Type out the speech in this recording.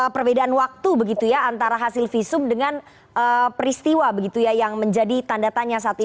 perbedaan waktu begitu ya antara hasil visum dengan peristiwa begitu ya yang menjadi tanda tanya saat ini